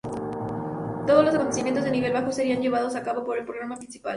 Todo los acontecimientos de nivel bajo serían llevados a cabo por el programa principal.